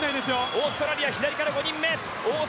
オーストラリア左から５人目。